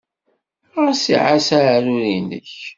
Ɣas ɛass aɛrur-nnek.